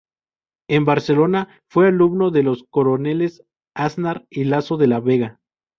En Barcelona fue alumno de los coroneles Aznar y Laso de la Vega.